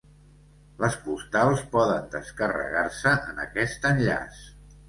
Les postals poden descarregar-se en aquest enllaç.